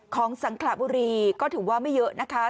ของสังขลาบุรีก็ถือว่าไม่เยอะนะครับ